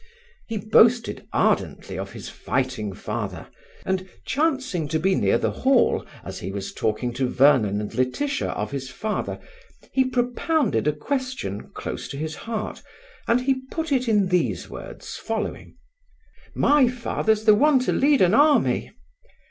He boasted ardently of his fighting father, and, chancing to be near the Hall as he was talking to Vernon and Laetitia of his father, he propounded a question close to his heart, and he put it in these words, following: "My father's the one to lead an army!"